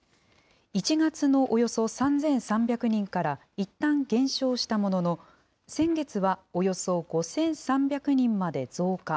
１月のおよそ３３００人からいったん減少したものの、先月はおよそ５３００人まで増加。